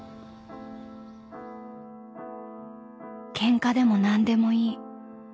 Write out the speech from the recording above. ［ケンカでも何でもいい］